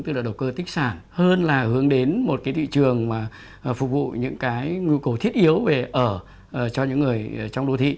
tức là đầu cơ tích sản hơn là hướng đến một cái thị trường mà phục vụ những cái nhu cầu thiết yếu về ở cho những người trong đô thị